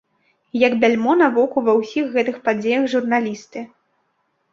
І як бяльмо на воку ва ўсіх гэтых падзеях журналісты.